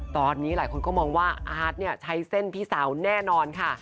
ตอนนี้หลายคนก็มองว่าอาร์ตใช้เส้นพี่สาวแน่นอนค่ะ